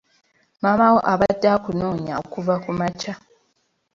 Maama wo abadde akunoonya okuva kumakya.